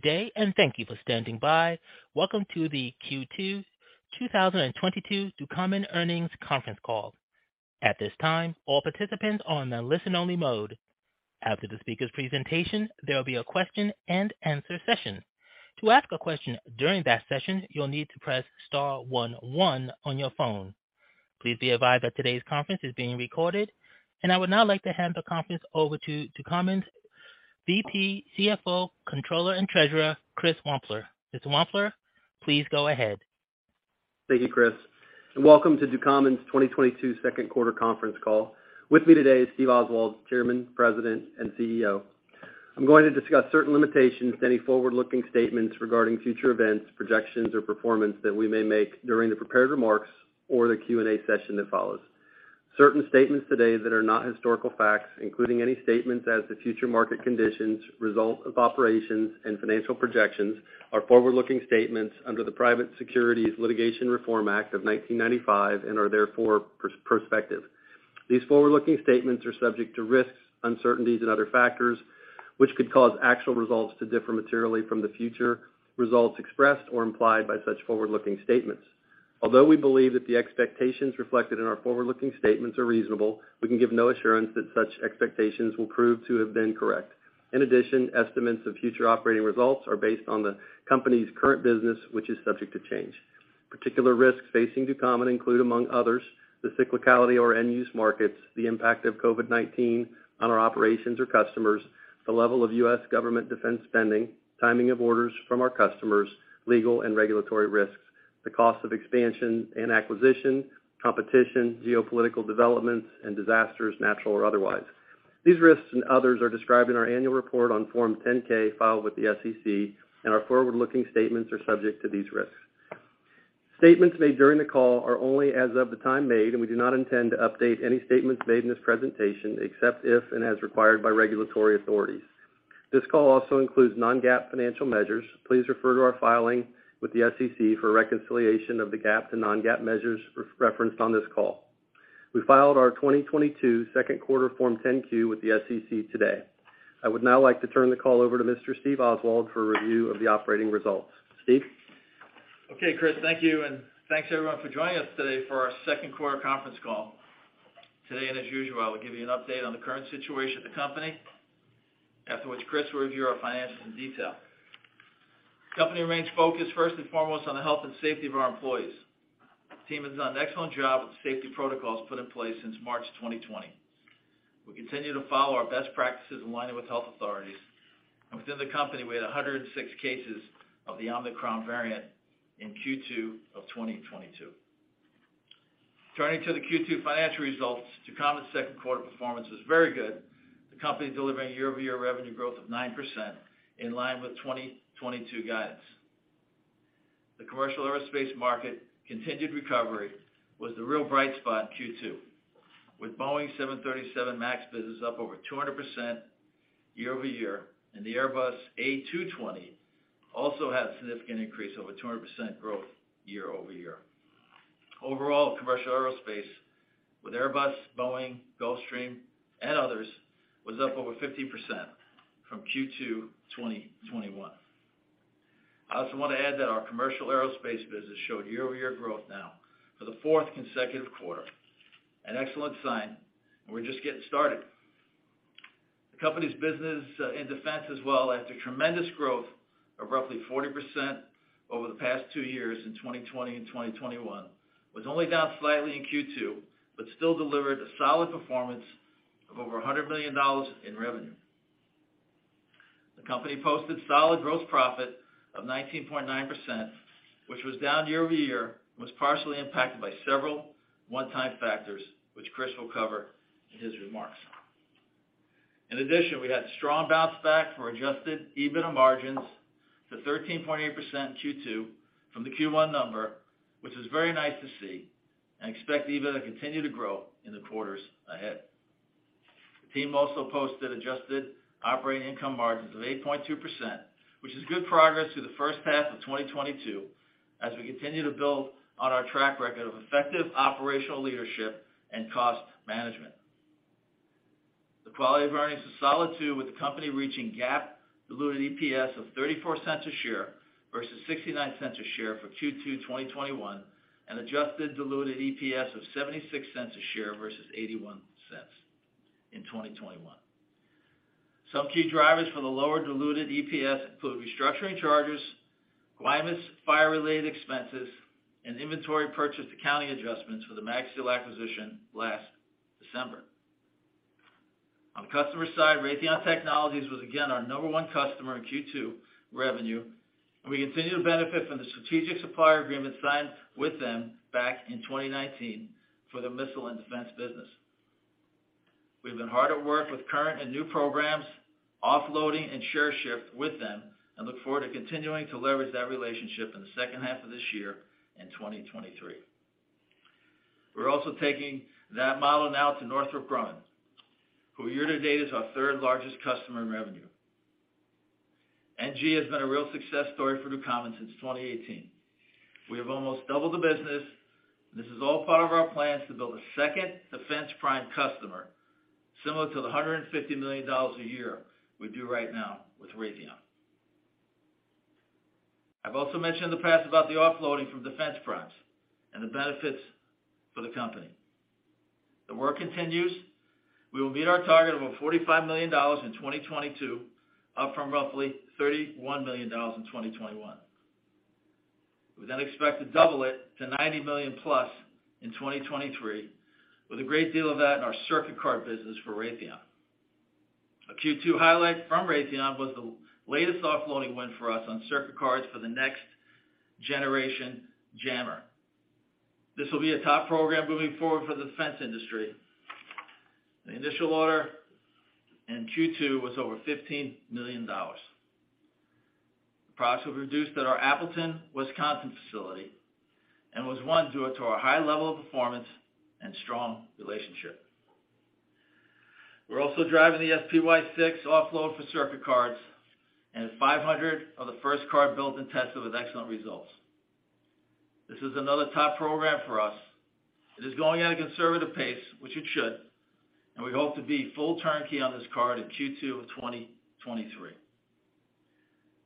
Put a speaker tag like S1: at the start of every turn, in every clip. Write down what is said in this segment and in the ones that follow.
S1: Good day, and thank you for standing by. Welcome to the Q2 2022 Ducommun Earnings Conference Call. At this time, all participants are in a listen-only mode. After the speaker's presentation, there will be a question-and-answer session. To ask a question during that session, you'll need to press star one one on your phone. Please be advised that today's conference is being recorded. I would now like to hand the conference over to Ducommun's VP, CFO, Controller, and Treasurer, Chris Wampler. Mr. Wampler, please go ahead.
S2: Thank you, Chris, and welcome to Ducommun's 2022 Second Quarter Conference Call. With me today is Steve Oswald, Chairman, President, and CEO. I'm going to discuss certain limitations to any forward-looking statements regarding future events, projections, or performance that we may make during the prepared remarks or the Q&A session that follows. Certain statements today that are not historical facts, including any statements as to future market conditions, results of operations, and financial projections are forward-looking statements under the Private Securities Litigation Reform Act of 1995, and are therefore prospective. These forward-looking statements are subject to risks, uncertainties, and other factors, which could cause actual results to differ materially from the future results expressed or implied by such forward-looking statements. Although we believe that the expectations reflected in our forward-looking statements are reasonable, we can give no assurance that such expectations will prove to have been correct. In addition, estimates of future operating results are based on the company's current business, which is subject to change. Particular risks facing Ducommun include, among others, the cyclicality of end-use markets, the impact of COVID-19 on our operations or customers, the level of U.S. government defense spending, timing of orders from our customers, legal and regulatory risks, the cost of expansion and acquisition, competition, geopolitical developments and disasters, natural or otherwise. These risks and others are described in our annual report on Form 10-K filed with the SEC, and our forward-looking statements are subject to these risks. Statements made during the call are only as of the time made, and we do not intend to update any statements made in this presentation except if and as required by regulatory authorities. This call also includes non-GAAP financial measures. Please refer to our filing with the SEC for a reconciliation of the GAAP to non-GAAP measures referenced on this call. We filed our 2022 second-quarter Form 10-Q with the SEC today. I would now like to turn the call over to Mr. Steve Oswald for a review of the operating results. Steve?
S3: Okay, Chris, thank you, and thanks, everyone, for joining us today for our Second Quarter Conference Call. Today, and as usual, I will give you an update on the current situation of the company. After which Chris will review our financials in detail. The company remains focused first and foremost on the health and safety of our employees. The team has done an excellent job with the safety protocols put in place since March 2020. We continue to follow our best practices in line with health authorities. Within the company, we had 106 cases of the Omicron variant in Q2 of 2022. Turning to the Q2 financial results, Ducommun's second-quarter performance was very good. The company delivering year-over-year revenue growth of 9% in line with 2022 guidance. The commercial aerospace market continued recovery was the real bright spot in Q2, with Boeing 737 MAX business up over 200% year-over-year, and the Airbus A220 also had a significant increase over 200% growth year-over-year. Overall, commercial aerospace with Airbus, Boeing, Gulfstream, and others was up over 50% from Q2 2021. I also want to add that our commercial aerospace business showed year-over-year growth now for the fourth consecutive quarter, an excellent sign, and we're just getting started. The company's business in defense as well, after tremendous growth of roughly 40% over the past two years in 2020 and 2021, was only down slightly in Q2, but still delivered a solid performance of over $100 million in revenue. The company posted solid gross profit of 19.9%, which was down year-over-year, and was partially impacted by several one-time factors, which Chris will cover in his remarks. In addition, we had strong bounce back for adjusted EBITDA margins to 13.8% in Q2 from the Q1 number, which is very nice to see and expect EBITDA to continue to grow in the quarters ahead. The team also posted adjusted operating income margins of 8.2%, which is good progress through the first half of 2022 as we continue to build on our track record of effective operational leadership and cost management. The quality of earnings is solid, too, with the company reaching GAAP diluted EPS of $0.34 a share versus $0.69 a share for Q2 2021, and adjusted diluted EPS of $0.76 a share versus $0.81 a share in 2021. Some key drivers for the lower diluted EPS include restructuring charges, Guaymas fire-related expenses, and inventory purchase accounting adjustments for the MagSeal acquisition last December. On the customer side, Raytheon Technologies was again our number one customer in Q2 revenue, and we continue to benefit from the strategic supplier agreement signed with them back in 2019 for the missile and defense business. We've been hard at work with current and new programs, offloading and share shift with them and look forward to continuing to leverage that relationship in the second half of this year and 2023. We're also taking that model now to Northrop Grumman, who year to date is our third largest customer in revenue. NG has been a real success story for Ducommun since 2018. We have almost doubled the business. This is all part of our plans to build a second defense prime customer, similar to the $150 million a year we do right now with Raytheon. I've also mentioned in the past about the offloading from defense primes and the benefits for the company. The work continues. We will meet our target of over $45 million in 2022, up from roughly $31 million in 2021. We then expect to double it to $90 million+ in 2023, with a great deal of that in our circuit card business for Raytheon. A Q2 highlight from Raytheon was the latest offloading win for us on circuit cards for the next generation jammer. This will be a top program moving forward for the defense industry. The initial order in Q2 was over $15 million. The products were produced at our Appleton, Wisconsin facility, and was won due to our high level of performance and strong relationship. We're also driving the SPY-6 offload for circuit cards, and 500 of the first card built and tested with excellent results. This is another top program for us. It is going at a conservative pace, which it should, and we hope to be full turnkey on this card in Q2 of 2023.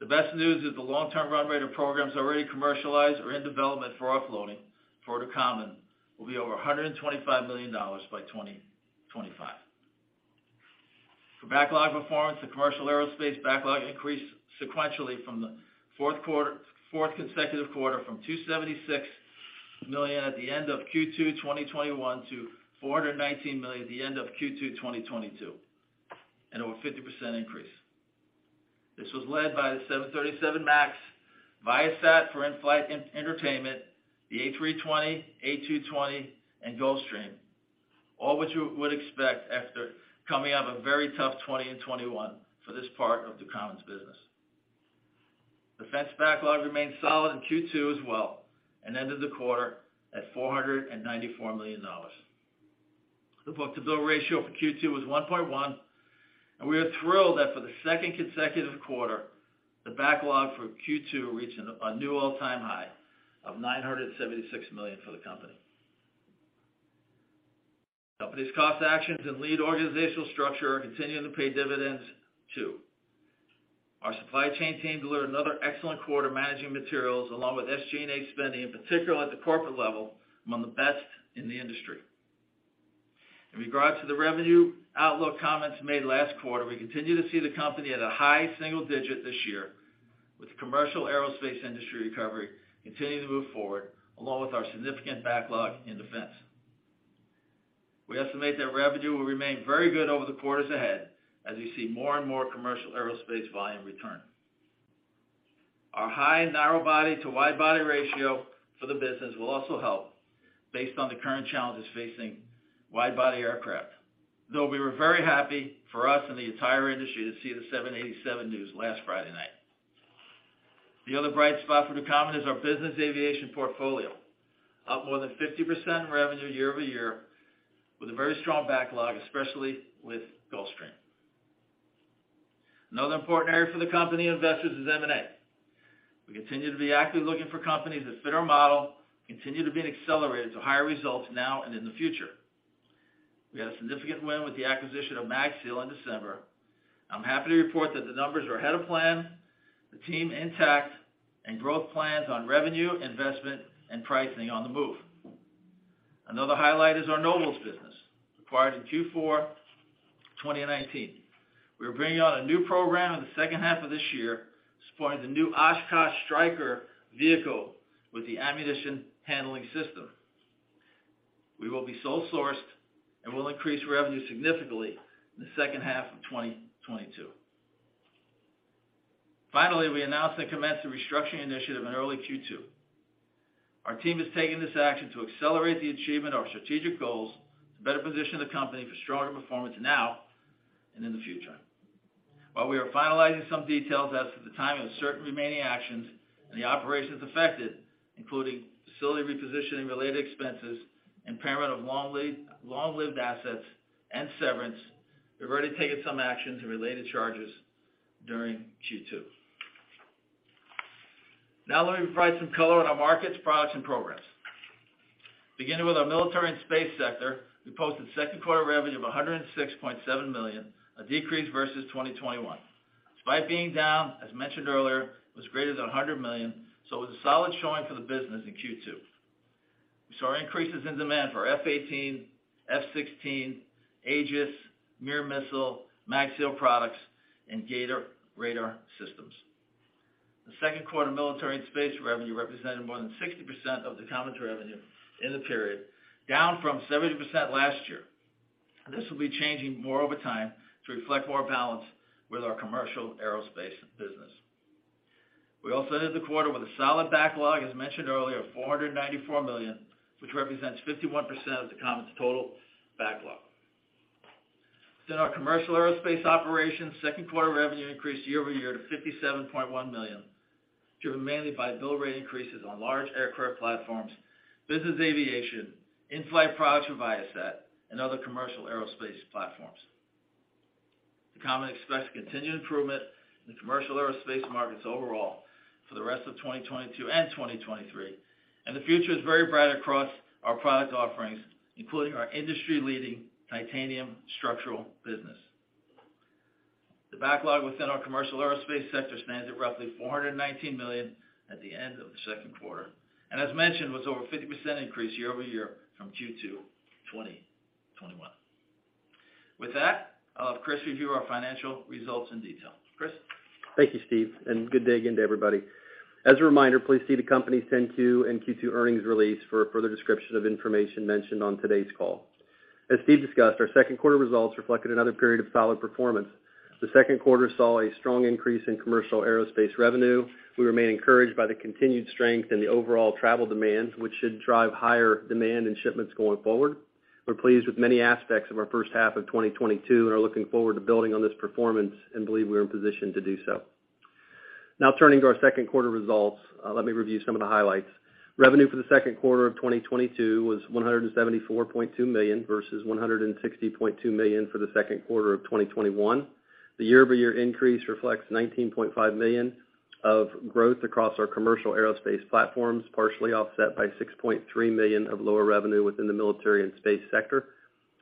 S3: The best news is the long-term run rate of programs already commercialized or in development for offloading for Ducommun will be over $125 million by 2025. For backlog performance, the commercial aerospace backlog increased sequentially from the fourth consecutive quarter from $276 million at the end of Q2 2021 to $419 million at the end of Q2 2022, an over 50% increase. This was led by the 737 MAX, Viasat for in-flight entertainment, the A320, A220, and Gulfstream, all which you would expect after coming out of a very tough 2020 and 2021 for this part of Ducommun's business. Defense backlog remained solid in Q2 as well, and ended the quarter at $494 million. The book-to-bill ratio for Q2 was 1.1, and we are thrilled that for the second consecutive quarter, the backlog for Q2 reached a new all-time high of $976 million for the company. Company's cost actions and lean organizational structure are continuing to pay dividends too. Our supply chain team delivered another excellent quarter, managing materials along with SG&A spending, in particular at the corporate level, among the best in the industry. In regard to the revenue outlook comments made last quarter, we continue to see the company at a high single-digit this year, with the commercial aerospace industry recovery continuing to move forward, along with our significant backlog in defense. We estimate that revenue will remain very good over the quarters ahead as we see more and more commercial aerospace volume return. Our high narrow-body to wide-body ratio for the business will also help based on the current challenges facing wide-body aircraft, though we were very happy for us and the entire industry to see the 787 news last Friday night. The other bright spot for Ducommun is our business aviation portfolio. Up more than 50% in revenue year-over-year, with a very strong backlog, especially with Gulfstream. Another important area for the company and investors is M&A. We continue to be actively looking for companies that fit our model, continue to being accelerated to higher results now and in the future. We had a significant win with the acquisition of MagSeal in December. I'm happy to report that the numbers are ahead of plan, the team intact, and growth plans on revenue, investment, and pricing on the move. Another highlight is our Nobles business, acquired in Q4 2019. We are bringing on a new program in the second half of this year, supporting the new Oshkosh Striker vehicle with the ammunition handling system. We will be sole sourced and will increase revenue significantly in the second half of 2022. Finally, we announced and commenced a restructuring initiative in early Q2. Our team has taken this action to accelerate the achievement of our strategic goals to better position the company for stronger performance now and in the future. While we are finalizing some details as to the timing of certain remaining actions and the operations affected, including facility repositioning-related expenses, impairment of long-lived assets, and severance, we've already taken some actions and related charges during Q2. Now let me provide some color on our markets, products, and programs. Beginning with our military and space sector, we posted second quarter revenue of $106.7 million, a decrease versus 2021. Despite being down, as mentioned earlier, it was greater than $100 million, so it was a solid showing for the business in Q2. We saw increases in demand for F-18, F-16, Aegis, AMRAAM missile, MagSeal products, and G/ATOR radar systems. The second quarter military and space revenue represented more than 60% of Ducommun's revenue in the period, down from 70% last year. This will be changing more over time to reflect more balance with our commercial aerospace business. We also ended the quarter with a solid backlog, as mentioned earlier, of $494 million, which represents 51% of Ducommun's total backlog. Within our commercial aerospace operations, second-quarter revenue increased year over year to $57.1 million, driven mainly by bill rate increases on large aircraft platforms, business aviation, in-flight products from Viasat, and other commercial aerospace platforms. The company expects continued improvement in commercial aerospace markets overall for the rest of 2022 and 2023, and the future is very bright across our product offerings, including our industry-leading titanium structural business. The backlog within our commercial aerospace sector stands at roughly $419 million at the end of the second quarter, and as mentioned, was over 50% increase year over year from Q2 2021. With that, I'll have Chris review our financial results in detail. Chris?
S2: Thank you, Steve, and good day again to everybody. As a reminder, please see the company's 10-Q and Q2 earnings release for a further description of information mentioned on today's call. As Steve discussed, our second quarter results reflected another period of solid performance. The second quarter saw a strong increase in commercial aerospace revenue. We remain encouraged by the continued strength in the overall travel demands, which should drive higher demand in shipments going forward. We're pleased with many aspects of our first half of 2022 and are looking forward to building on this performance and believe we're in position to do so. Now, turning to our second quarter results, let me review some of the highlights. Revenue for the second quarter of 2022 was $174.2 million versus $160.2 million for the second quarter of 2021. The year-over-year increase reflects $19.5 million of growth across our commercial aerospace platforms, partially offset by $6.3 million of lower revenue within the military and space sector.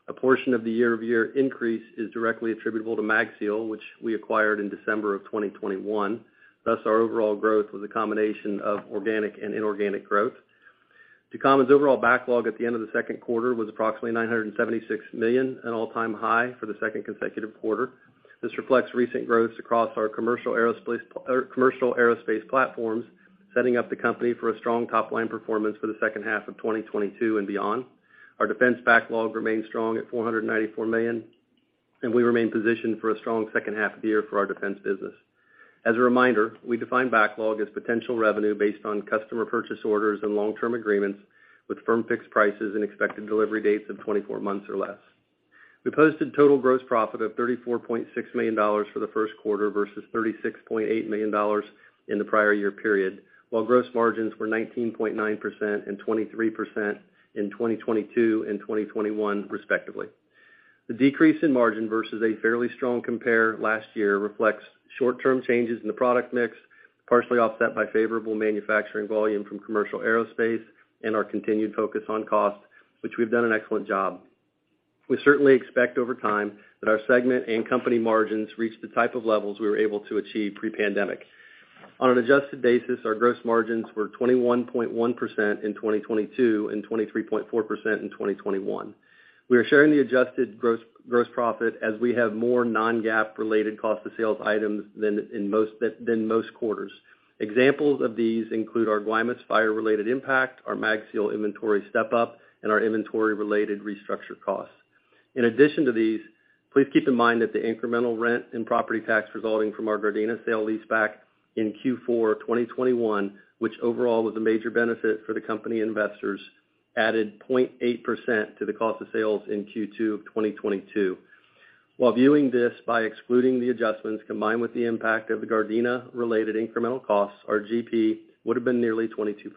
S2: A portion of the year-over-year increase is directly attributable to MagSeal, which we acquired in December of 2021. Thus, our overall growth was a combination of organic and inorganic growth. Ducommun's overall backlog at the end of the second quarter was approximately $976 million, an all-time high for the second consecutive quarter. This reflects recent growth across our commercial aerospace platforms, setting up the company for a strong top-line performance for the second half of 2022 and beyond. Our defense backlog remains strong at $494 million, and we remain positioned for a strong second half of the year for our defense business. As a reminder, we define backlog as potential revenue based on customer purchase orders and long-term agreements with firm fixed prices and expected delivery dates of 24 months or less. We posted total gross profit of $34.6 million for the first quarter versus $36.8 million in the prior year period, while gross margins were 19.9% and 23% in 2022 and 2021 respectively. The decrease in margin versus a fairly strong compare last year reflects short-term changes in the product mix, partially offset by favorable manufacturing volume from commercial aerospace and our continued focus on cost, which we've done an excellent job. We certainly expect over time that our segment and company margins reach the type of levels we were able to achieve pre-pandemic. On an adjusted basis, our gross margins were 21.1% in 2022 and 23.4% in 2021. We are sharing the adjusted gross profit as we have more non-GAAP-related cost of sales items than in most quarters. Examples of these include our Guaymas fire-related impact, our MagSeal inventory step-up, and our inventory-related restructure costs. In addition to these, please keep in mind that the incremental rent and property tax resulting from our Gardena sale lease back in Q4 of 2021, which overall was a major benefit for the company investors, added 0.8% to the cost of sales in Q2 of 2022. While viewing this by excluding the adjustments combined with the impact of the Gardena-related incremental costs, our GP would have been nearly 22%.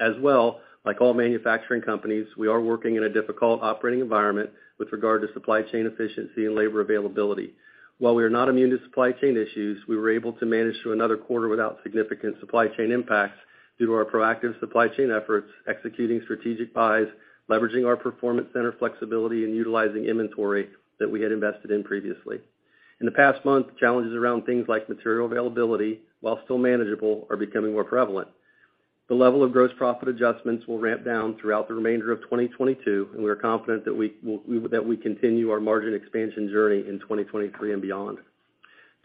S2: As well, like all manufacturing companies, we are working in a difficult operating environment with regard to supply chain efficiency and labor availability. While we are not immune to supply chain issues, we were able to manage through another quarter without significant supply chain impacts due to our proactive supply chain efforts, executing strategic buys, leveraging our performance center flexibility, and utilizing inventory that we had invested in previously. In the past month, challenges around things like material availability, while still manageable, are becoming more prevalent. The level of gross profit adjustments will ramp down throughout the remainder of 2022, and we are confident that we continue our margin expansion journey in 2023 and beyond.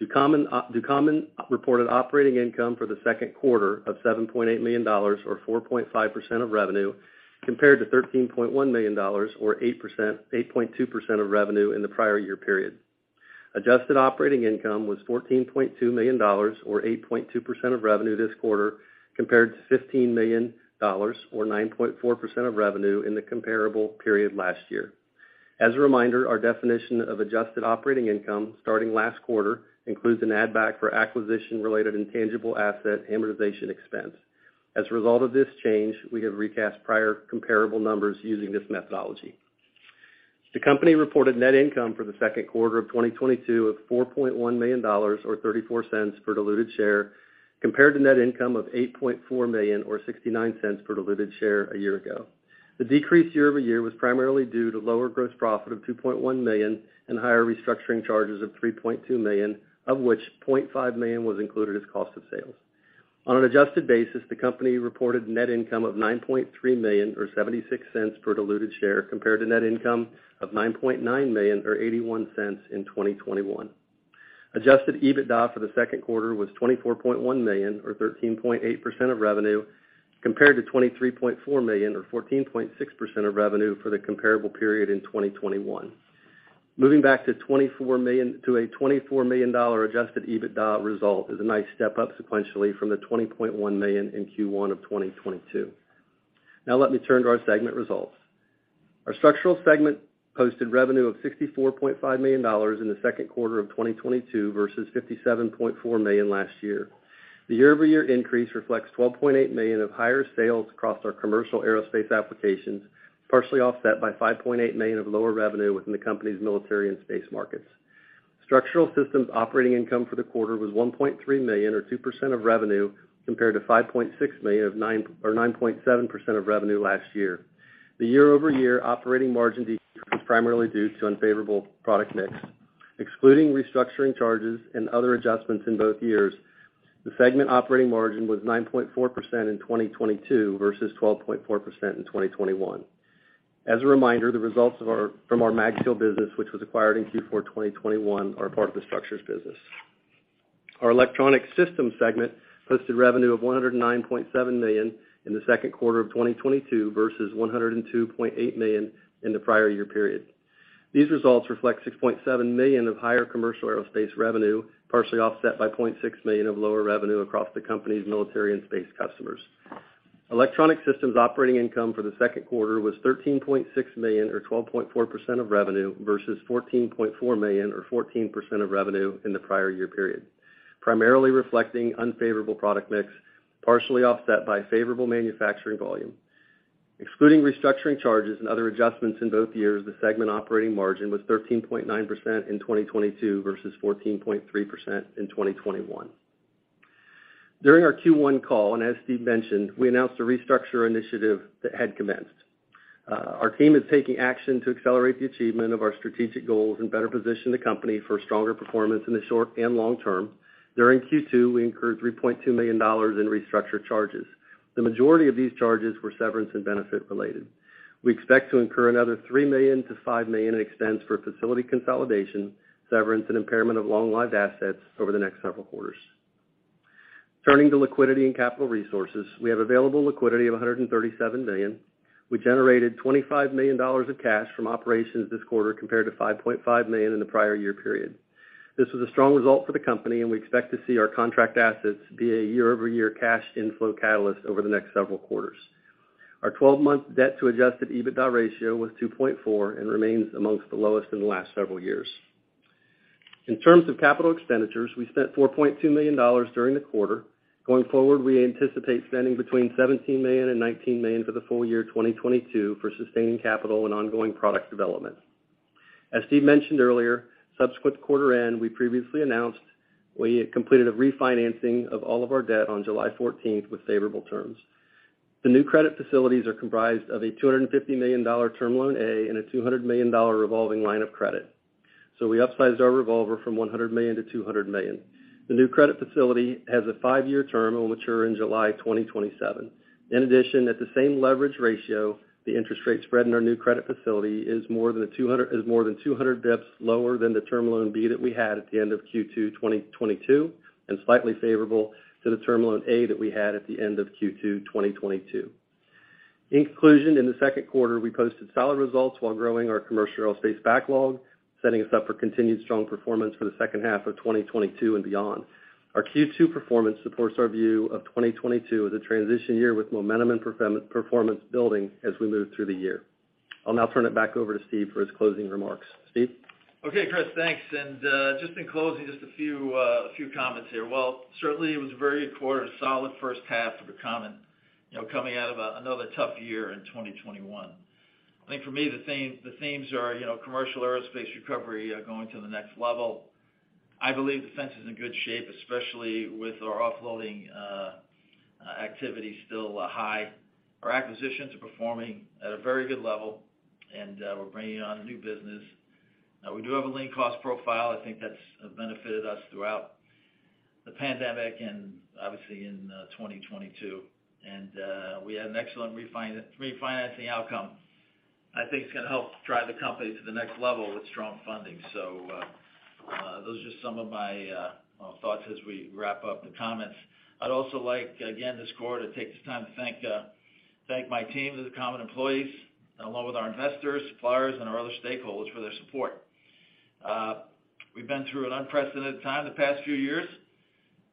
S2: Ducommun reported operating income for the second quarter of $7.8 million or 4.5% of revenue, compared to $13.1 million or 8.2% of revenue in the prior year period. Adjusted operating income was $14.2 million or 8.2% of revenue this quarter, compared to $15 million or 9.4% of revenue in the comparable period last year. As a reminder, our definition of adjusted operating income starting last quarter includes an add back for acquisition-related intangible asset amortization expense. As a result of this change, we have recast prior comparable numbers using this methodology. The company reported net income for the second quarter of 2022 of $4.1 million or $0.34 per diluted share, compared to net income of $8.4 million or $0.69 per diluted share a year ago. The decrease year-over-year was primarily due to lower gross profit of $2.1 million and higher restructuring charges of $3.2 million, of which $0.5 million was included as cost of sales. On an adjusted basis, the company reported net income of $9.3 million or $0.76 per diluted share, compared to net income of $9.9 million or $0.81 in 2021. Adjusted EBITDA for the second quarter was $24.1 million or 13.8% of revenue, compared to $23.4 million or 14.6% of revenue for the comparable period in 2021. Moving back to a $24 million adjusted EBITDA result is a nice step up sequentially from the $20.1 million in Q1 of 2022. Now let me turn to our segment results. Our structural segment posted revenue of $64.5 million in the second quarter of 2022 versus $57.4 million last year. The year-over-year increase reflects $12.8 million of higher sales across our commercial aerospace applications, partially offset by $5.8 million of lower revenue within the company's military and space markets. Structural Systems operating income for the quarter was $1.3 million or 2% of revenue, compared to $5.6 million or 9.7% of revenue last year. The year-over-year operating margin decrease was primarily due to unfavorable product mix. Excluding restructuring charges and other adjustments in both years, the segment operating margin was 9.4% in 2022 versus 12.4% in 2021. As a reminder, the results from our MagSeal business, which was acquired in Q4 2021, are part of the structures business. Our electronic systems segment posted revenue of $109.7 million in the second quarter of 2022 versus $102.8 million in the prior year period. These results reflect $6.7 million of higher commercial aerospace revenue, partially offset by $0.6 million of lower revenue across the company's military and space customers. Electronic systems operating income for the second quarter was $13.6 million or 12.4% of revenue versus $14.4 million or 14% of revenue in the prior year period, primarily reflecting unfavorable product mix, partially offset by favorable manufacturing volume. Excluding restructuring charges and other adjustments in both years, the segment operating margin was 13.9% in 2022 versus 14.3% in 2021. During our Q1 call, and as Steve mentioned, we announced a restructure initiative that had commenced. Our team is taking action to accelerate the achievement of our strategic goals and better position the company for stronger performance in the short and long term. During Q2, we incurred $3.2 million in restructuring charges. The majority of these charges were severance and benefit-related. We expect to incur another $3 million to $5 million in expense for facility consolidation, severance and impairment of long-lived assets over the next several quarters. Turning to liquidity and capital resources, we have available liquidity of $137 million. We generated $25 million of cash from operations this quarter compared to $5.5 million in the prior year period. This was a strong result for the company, and we expect to see our contract assets be a year-over-year cash inflow catalyst over the next several quarters. Our 12-month debt-to-adjusted EBITDA ratio was 2.4 and remains among the lowest in the last several years. In terms of capital expenditures, we spent $4.2 million during the quarter. Going forward, we anticipate spending between $17 million and $19 million for the full year 2022 for sustaining capital and ongoing product development. As Steve mentioned earlier, subsequent to quarter end, we previously announced we had completed a refinancing of all of our debt on July 14th with favorable terms. The new credit facilities are comprised of a $250 million Term Loan A and a $200 million revolving line of credit. We upsized our revolver from $100 million to $200 million. The new credit facility has a five-year term and will mature in July 2027. In addition, at the same leverage ratio, the interest rate spread in our new credit facility is more than 200 basis points lower than the term loan B that we had at the end of Q2 2022, and slightly favorable to the term loan A that we had at the end of Q2 2022. In conclusion, in the second quarter, we posted solid results while growing our commercial aerospace backlog, setting us up for continued strong performance for the second half of 2022 and beyond. Our Q2 performance supports our view of 2022 as a transition year with momentum and performance building as we move through the year. I'll now turn it back over to Steve for his closing remarks. Steve?
S3: Okay, Chris, thanks. Just in closing, just a few comments here. Well, certainly, it was a very good quarter, a solid first half for the company coming out of another tough year in 2021. I think for me, the themes are commercial aerospace recovery going to the next level. I believe defense is in good shape, especially with our offloading activity still high. Our acquisitions are performing at a very good level, and we're bringing on new business. We do have a lean cost profile. I think that's benefited us throughout the pandemic and obviously in 2022. We had an excellent refinancing outcome. I think it's gonna help drive the company to the next level with strong funding. Those are some of my thoughts as we wrap up the comments. I'd also like, again, this quarter, to take this time to thank my team, the Ducommun employees, along with our investors, suppliers, and our other stakeholders for their support. We've been through an unprecedented time the past few years,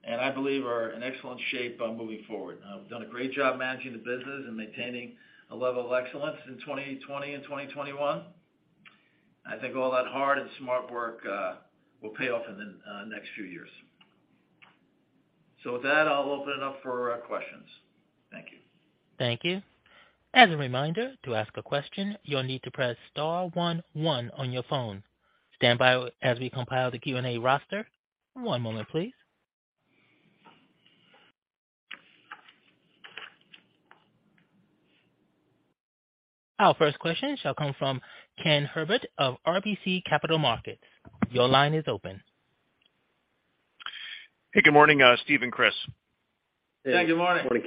S3: and I believe are in excellent shape, moving forward. We've done a great job managing the business and maintaining a level of excellence in 2020 and 2021. I think all that hard and smart work will pay off in the next few years. With that, I'll open it up for questions. Thank you.
S1: Thank you. As a reminder, to ask a question, you'll need to press star one one on your phone. Stand by as we compile the Q&A roster. One moment, please. Our first question shall come from Ken Herbert of RBC Capital Markets. Your line is open.
S4: Hey, good morning, Steve and Chris.
S3: Hey, good morning.
S2: Good morning,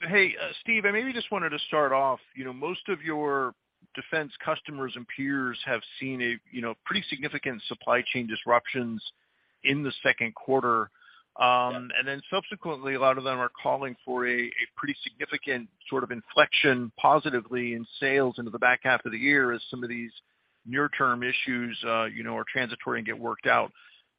S2: Ken.
S4: Hey, Steve, I maybe just wanted to start off, most of your defense customers and peers have seen a pretty significant supply chain disruptions in the second quarter. Subsequently, a lot of them are calling for a pretty significant sort of inflection positively in sales into the back half of the year as some of these near-term issues are transitory and get worked out.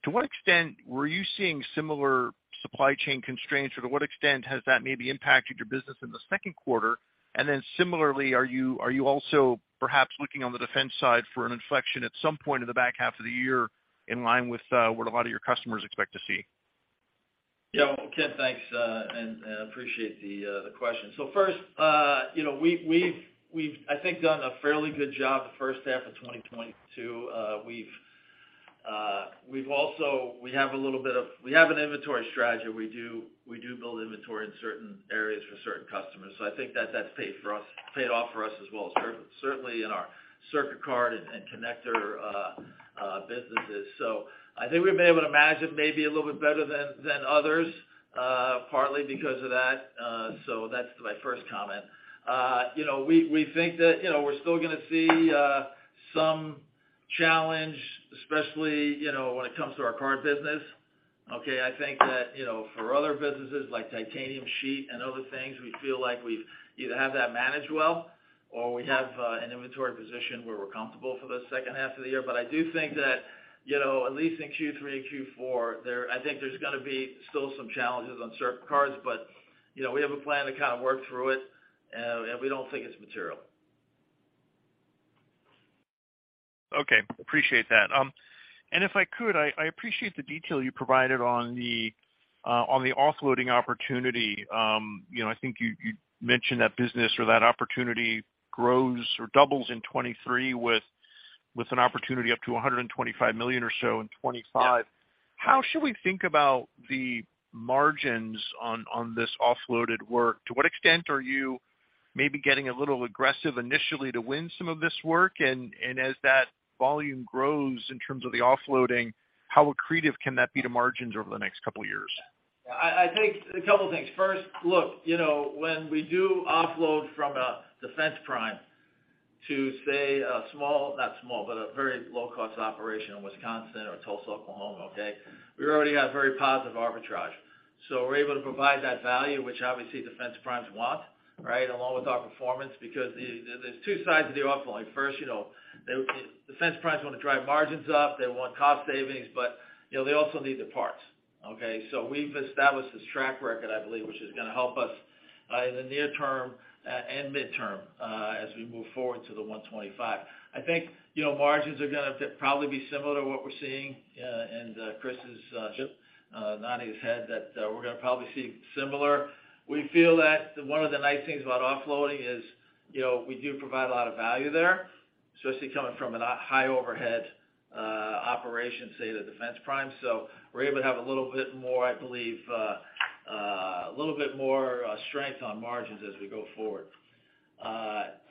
S4: To what extent were you seeing similar supply chain constraints, or to what extent has that maybe impacted your business in the second quarter? And then similarly, are you also perhaps looking on the defense side for an inflection at some point in the back half of the year in line with what a lot of your customers expect to see?
S3: Yeah, Ken, thanks, and appreciate the question. First, I think we've done a fairly good job the first half of 2022. We also have an inventory strategy. We do build inventory in certain areas for certain customers. I think that's paid off for us as well, certainly in our circuit card and connector businesses. I think we've been able to manage it maybe a little bit better than others, partly because of that. That's my first comment. We think that we're still gonna see some challenge, especially, when it comes to our card business. Okay, I think that for other businesses like titanium sheet and other things, we feel like we've either have that managed well or we have an inventory position where we're comfortable for the second half of the year. I do think that at least in Q3 and Q4, I think there's gonna be still some challenges on circuit cards. We have a plan to work through it, and we don't think it's material.
S4: Okay. Appreciate that. If I could, I appreciate the detail you provided on the offloading opportunity. I think you mentioned that business or that opportunity grows or doubles in 2023 with an opportunity up to $125 million or so in 2025. How should we think about the margins on this offloaded work? To what extent are you maybe getting a little aggressive initially to win some of this work? As that volume grows in terms of the offloading, how accretive can that be to margins over the next couple years?
S3: I think a couple things. First, look when we do offload from a defense prime to, say, a small, not small, but a very low-cost operation in Wisconsin or Tulsa, Oklahoma, we already have very positive arbitrage. We're able to provide that value, which obviously defense primes want, right, along with our performance. Because there's two sides to the offload. First, you know, defense primes wanna drive margins up, they want cost savings, but they also need the parts, okay? We've established this track record, I believe, which is gonna help us in the near term and midterm as we move forward to the $125 million. I think margins are gonna probably be similar to what we're seeing, and Chris is just nodding his head that we're gonna probably see similar. We feel that one of the nice things about offloading is we do provide a lot of value there, especially coming from a high-overhead operation, say the defense prime. We're able to have a little bit more, I believe, strength on margins as we go forward.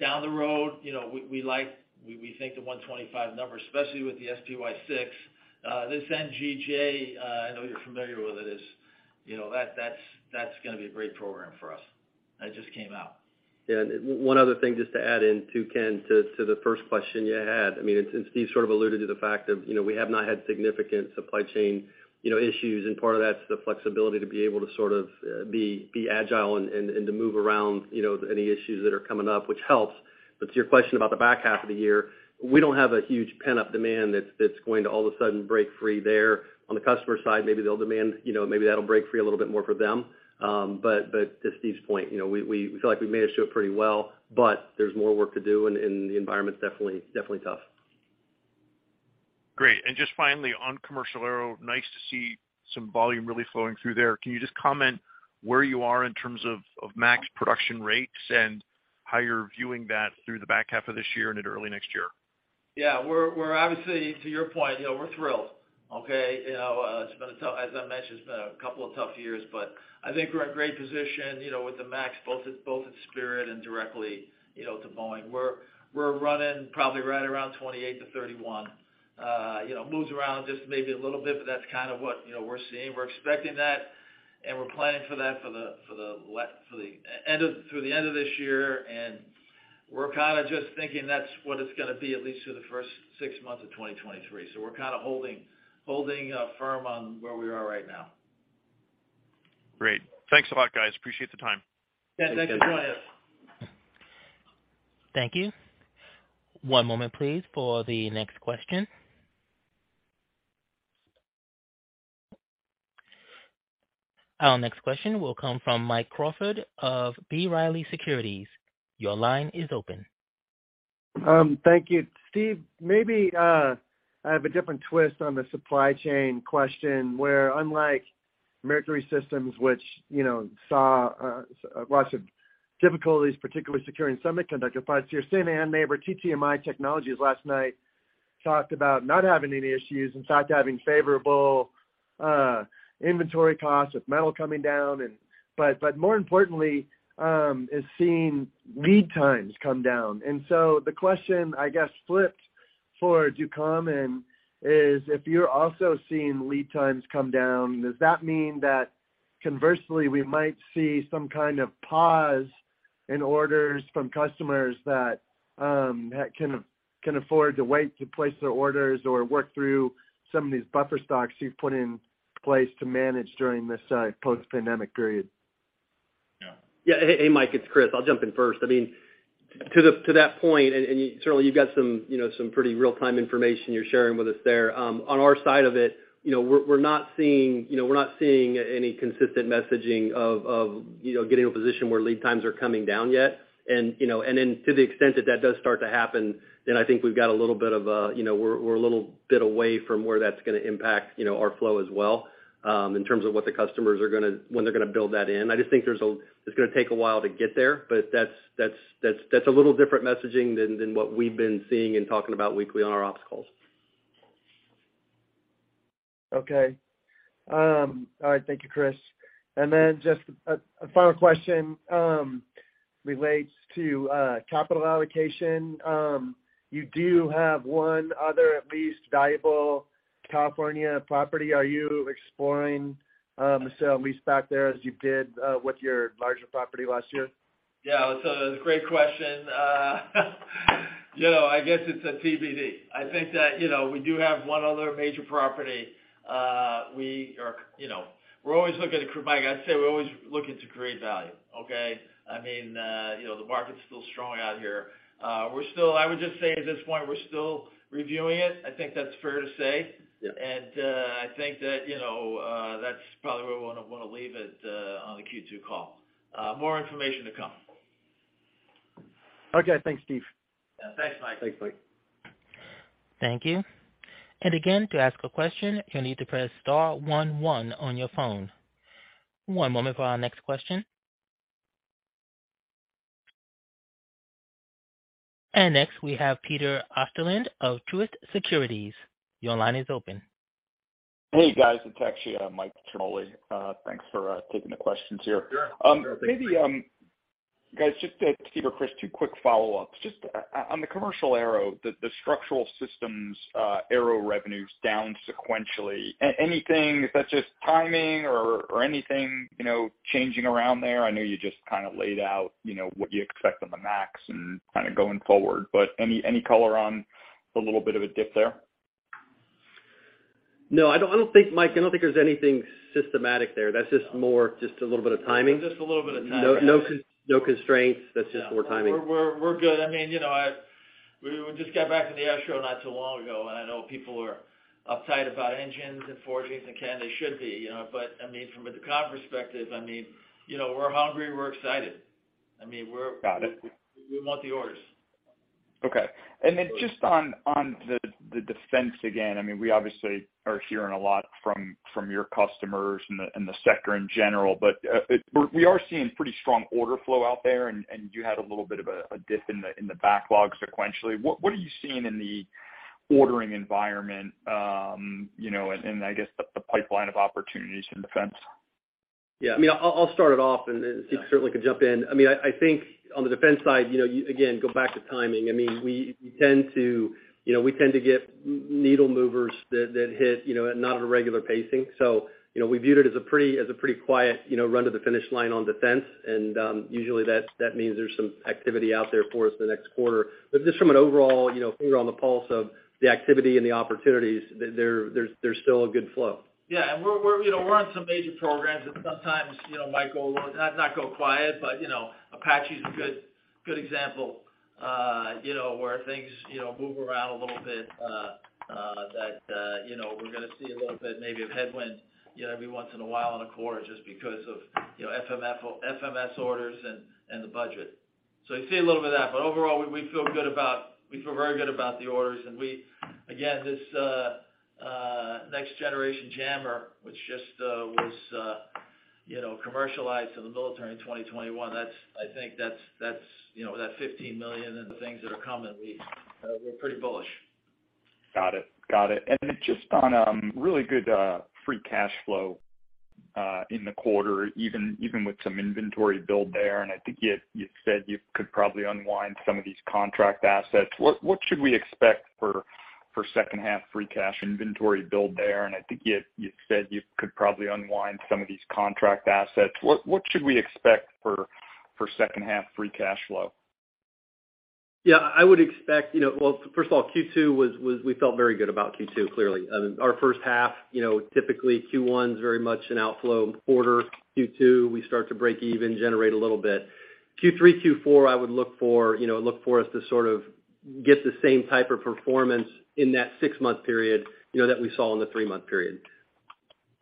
S3: Down the road we think the $125 million number, especially with the SPY6, this NGJ, I know you're familiar with it, is that's gonna be a great program for us. That just came out.
S2: One other thing just to add in too, Ken, to the first question you had. Since Steve sort of alluded to the fact of we have not had significant supply chain issues, and part of that's the flexibility to be able to sort of be agile and to move around any issues that are coming up, which helps. To your question about the back half of the year, we don't have a huge pent-up demand that's going to all of a sudden break free there. On the customer side, maybe they'll demand, maybe that'll break free a little bit more for them. To Steve's point we feel like we managed to it pretty well, but there's more work to do and the environment's definitely tough.
S4: Great. Just finally, on commercial aero, nice to see some volume really flowing through there. Can you just comment where you are in terms of 737 MAX production rates and how you're viewing that through the back half of this year and into early next year?
S3: We're obviously, to your point we're thrilled, okay? It's been a tough. As I mentioned, it's been a couple of tough years, but I think we're in a great position with the max, both at Spirit and directly to Boeing. We're running probably right around 28-31. Moves around just maybe a little bit, but that's kind of what we're seeing. We're expecting that, and we're planning for that through the end of this year. We're kinda just thinking that's what it's gonna be at least through the first six months of 2023. We're kinda holding firm on where we are right now.
S4: Great. Thanks a lot, guys. Appreciate the time.
S3: Yeah. Thanks for joining us.
S1: Thank you. Thank you. One moment, please, for the next question. Our next question will come from Mike Crawford of B. Riley Securities. Your line is open.
S5: Thank you. Steve, maybe I have a different twist on the supply chain question, where unlike Mercury Systems, which saw lots of difficulties, particularly securing semiconductor parts, your sister and neighbor, TTM Technologies, last night talked about not having any issues, in fact, having favorable inventory costs with metal coming down and. But more importantly, is seeing lead times come down. The question, I guess, flipped for Ducommun is, if you're also seeing lead times come down, does that mean that conversely we might see some kind of pause in orders from customers that can afford to wait to place their orders or work through some of these buffer stocks you've put in place to manage during this post-pandemic period?
S2: Hey, Mike, it's Chris. I'll jump in first. To that point, and certainly you've got some pretty real-time information you're sharing with us there. On our side of it we're not seeing any consistent messaging of getting to a position where lead times are coming down yet. To the extent that that does start to happen, then I think we're a little bit away from where that's gonna impact our flow as well. In terms of what the customers are gonna build that in. I just think it's gonna take a while to get there, but that's a little different messaging than what we've been seeing and talking about weekly on our ops calls.
S5: Okay. All right, thank you, Chris. Just a final question relates to capital allocation. You do have one other, at least, valuable California property. Are you exploring to sale-leaseback there as you did with your larger property last year?
S3: That's a great question. It's a TBD. I think that we do have one other major property. I'd say we're always looking to create value, okay? The market's still strong out here. I would just say at this point, we're still reviewing it. I think that's fair to say. I think that's probably where we wanna leave it on the Q2 call. More information to come.
S5: Okay. Thanks, Steve.
S3: Yeah, thanks, Mike.
S5: Thanks, Mike.
S1: Thank you. Again, to ask a question, you'll need to press star one one on your phone. One moment for our next question. Next, we have Peter Arment of Truist Securities. Your line is open.
S6: Hey, guys. It's actually Michael Ciarmoli. Thanks for taking the questions here.
S3: Sure.
S6: Maybe, guys, just to Steve or Chris, two quick follow-ups. Just on the commercial aero, the structural systems, aero revenues down sequentially. Anything? Is that just timing or anything changing around there? I know you just laid out, what you expect on the MAX and going forward, but any color on the little bit of a dip there?
S2: No, I don't think, Mike, there's anything systematic there. That's just a little bit of timing.
S6: Just a little bit of timing.
S2: No constraints. That's just more timing.
S3: We're good. We just got back in the aero not too long ago, and I know people are uptight about engines and forgings, and candidly they should be. From a Ducommun perspective we're hungry, we're excited.
S6: Got it.
S3: We want the orders.
S6: Okay. Just on the defense again we obviously are hearing a lot from your customers in the sector in general, but we are seeing pretty strong order flow out there, and you had a little bit of a dip in the backlog sequentially. What are you seeing in the ordering environment and I guess the pipeline of opportunities in defense?
S2: I'll start it off, and then Steve certainly can jump in. On the defense side you again go back to timing. We tend to get needle movers that hit, you know, not at a regular pacing. We viewed it as a pretty quiet run to the finish line on defense. Usually that means there's some activity out there for us in the next quarter. But just from an overall finger on the pulse of the activity and the opportunities, there's still a good flow.
S3: We're on some major programs, and sometimes Mike will not go quiet, but Apache's a good example where things move around a little bit. We're gonna see a little bit maybe of headwind, you know, every once in a while on a quarter just because of FMF or FMS orders and the budget. You see a little bit of that. Overall, we feel very good about the orders. Again, this Next Generation Jammer, which just was commercialized to the military in 2021, that's. I think that's that $15 million and the things that are coming, we're pretty bullish.
S6: Got it. Just on really good free cash flow in the quarter, even with some inventory build there, and I think you said you could probably unwind some of these contract assets. What should we expect for second half free cash flow?
S2: I would expect. Well, first of all, Q2 was. We felt very good about Q2, clearly. Our first half typically Q1 is very much an outflow quarter. Q2, we start to break even, generate a little bit. Q3, Q4, I would look for look for us to sort of get the same type of performance in that six-month period that we saw in the three-month period.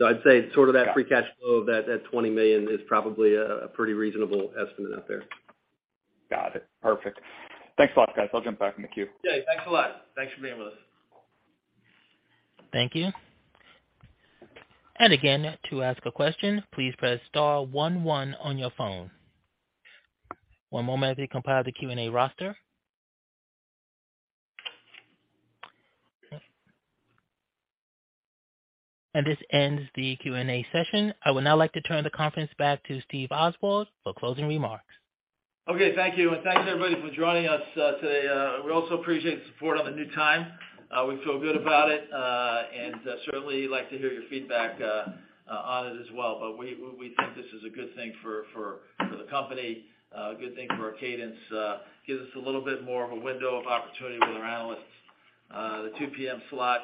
S2: I'd say sort of that free cash flow of that $20 million is probably a pretty reasonable estimate out there.
S6: Got it. Perfect. Thanks a lot, guys. I'll jump back in the queue.
S3: Thanks a lot. Thanks for being with us.
S1: Thank you. Again, to ask a question, please press star one one on your phone. One moment to compile the Q&A roster. This ends the Q&A session. I would now like to turn the conference back to Steve Oswald for closing remarks.
S3: Okay. Thank you. Thanks everybody for joining us today. We also appreciate the support on the new time. We feel good about it and certainly like to hear your feedback on it as well. We think this is a good thing for the company, good thing for our cadence, gives us a little bit more of a window of opportunity with our analysts. The 2:00 PM slot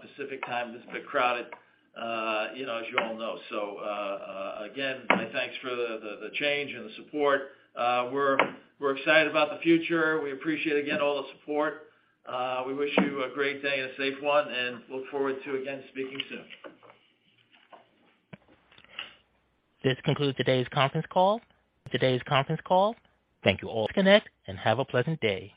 S3: Pacific Time is a bit crowded, as you all know. Again, my thanks for the change and the support. We're excited about the future. We appreciate again all the support. We wish you a great day and a safe one, and look forward to again speaking soon.
S1: This concludes today's conference call. Thank you all to connect, and have a pleasant day.